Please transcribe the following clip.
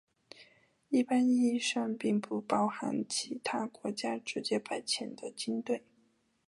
一般意义上并不包含其他国家直接派遣的军队。